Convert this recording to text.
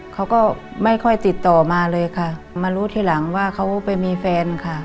เขาก็ไม่ค่อยติดต่อมาเลยค่ะมารู้ทีหลังว่าเขาไปมีแฟนค่ะ